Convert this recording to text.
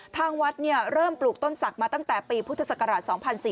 ทางวัดเริ่มปลูกต้นศักดิ์มาตั้งแต่ปีพุทธศักราช๒๔๔